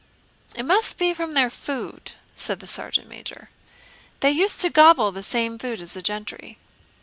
"It must be from their food," said the sergeant major. "They used to gobble the same food as the gentry."